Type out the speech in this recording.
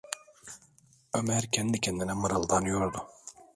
Ömer kendi kendine mırıldanıyordu: